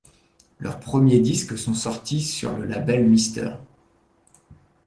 Leurs premiers disques sont sortis sur le label Mr.